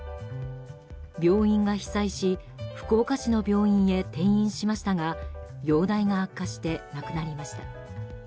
病院が被災し福岡市の病院へ転院しましたが容体が悪化して亡くなりました。